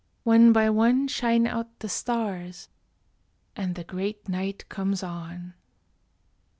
One by one Shine out the stars, and the great night comes on.